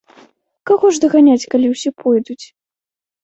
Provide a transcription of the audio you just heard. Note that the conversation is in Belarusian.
Каго ж даганяць, калі ўсе пойдуць.